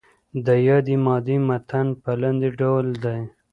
د یادې مادې متن په لاندې ډول دی.